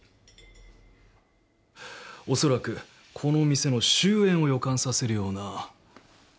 おそらくこの店の終焉を予感させるような事件だ。